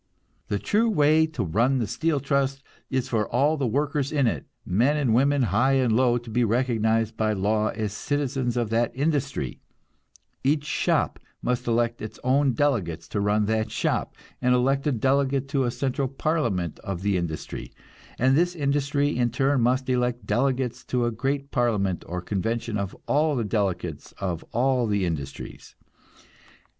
The true way to run the Steel Trust is for all the workers in it, men and women, high and low, to be recognized by law as citizens of that industry; each shop must elect its own delegates to run that shop, and elect a delegate to a central parliament of the industry, and this industry in turn must elect delegates to a great parliament or convention of all the delegates of all the industries.